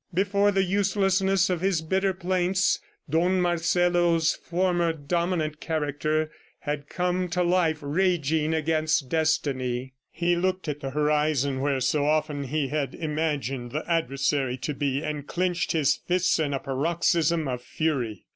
Before the uselessness of his bitter plaints, Don Marcelo's former dominant character had come to life, raging against destiny. He looked at the horizon where so often he had imagined the adversary to be, and clenched his fists in a paroxysm of fury.